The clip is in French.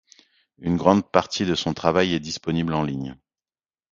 Une grande partie de son travail est disponible en ligne.